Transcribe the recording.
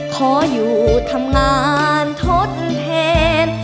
ขออยู่ทำงานทดแทน